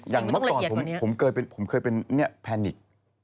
เมื่อก่อนผมเคยเป็นแพนิก